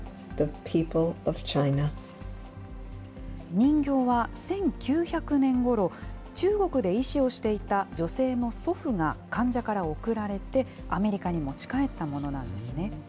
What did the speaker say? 人形は１９００年ごろ、中国で医師をしていた女性の祖父が患者から贈られて、アメリカに持ち帰ったものなんですね。